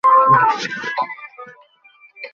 আমার মায়ের শরীর চুলকায় আর শরীর শিরশির করে উঠে।